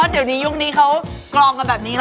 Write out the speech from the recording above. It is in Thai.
เดี๋ยวนี้ยุคนี้เขากรองกันแบบนี้แล้ว